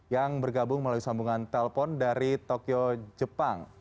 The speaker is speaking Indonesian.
yang bergabung melalui sambungan telpon dari tokyo jepang